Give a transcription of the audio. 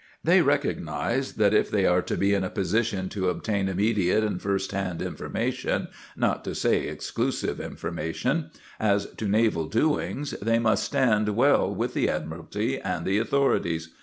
They recognise that if they are to be in a position to obtain immediate and first hand information not to say exclusive information as to naval doings, they must stand well with the Admiralty and the authorities.